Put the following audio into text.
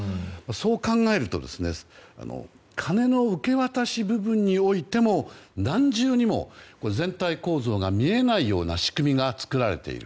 そう考えると金の受け渡し部分においても何重にも全体構造が見えないような仕組みが作られている。